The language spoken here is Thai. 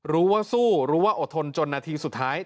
รู้ว่าสู้รู้ว่าอดทนจนนาทีสุดท้าย